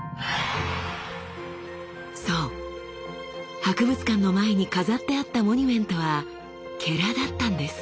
そう博物館の前に飾ってあったモニュメントはだったんです。